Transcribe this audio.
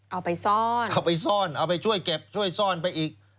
เอาไปซ่อนเอาไปซ่อนเอาไปช่วยเก็บช่วยซ่อนไปอีก